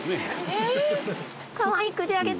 えっ！